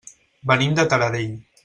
Venim de Taradell.